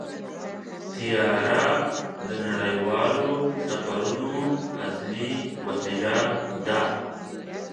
طیاره د نړیوالو سفرونو اصلي وسیله ده.